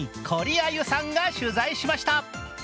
あゆさんが取材しました。